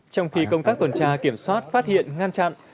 trong khi công tác tuần tra kiểm soát phát hiện ngăn chặn